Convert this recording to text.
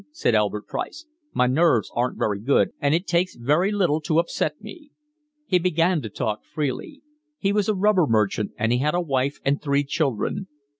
asked Albert Price. "My nerves aren't very strong, and it takes very little to upset me." He began to talk freely. He was a rubber merchant, and he had a wife and three children.